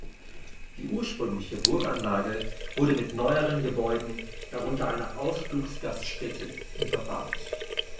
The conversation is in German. Die ursprüngliche Burganlage wurde mit neueren Gebäuden, darunter einer Ausflugsgaststätte überbaut.